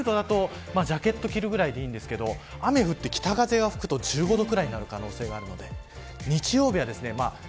１９度だと、ジャケット着るぐらいでいいんですが雨が降って北風が吹くと１５度ぐらいなる可能性があります。